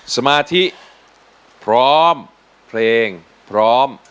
สมาธิพร้อมเพลงพร้อม